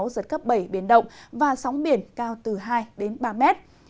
giới cấp bảy biển động và sóng biển cao từ hai ba mét